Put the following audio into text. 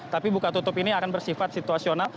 tapi buka tutup ini akan bersifat situasional